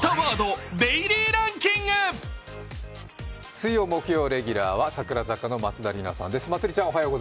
水曜木曜レギュラーは櫻坂４６の松田里奈さんです。